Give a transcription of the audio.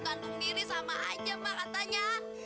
gantung diri sama aja makatnya